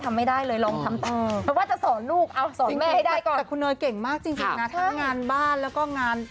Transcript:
ถ้ามีส้ม๒อันก็ให้แปะ๒อัน